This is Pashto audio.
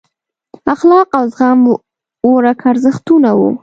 اخلاق او زغم ورک ارزښتونه وو.